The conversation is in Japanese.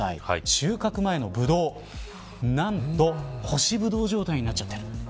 収穫前のブドウなんと干しブドウ状態になっている。